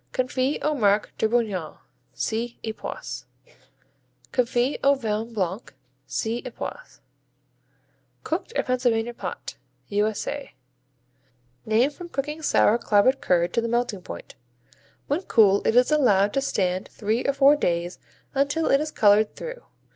Confits au Marc de Bourgogne see Epoisses. Confits au Vin Blanc see Epoisses. Cooked, or Pennsylvania pot U.S.A. Named from cooking sour clabbered curd to the melting point. When cool it is allowed to stand three or four days until it is colored through.